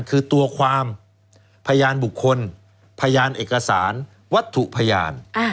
คือตัวความพยานบุคคลพยานเอกสารวัตถุพยาน